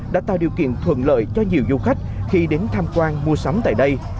đã tạo điều kiện thuận lợi cho nhiều du khách khi đến tham quan mua sắm tại đây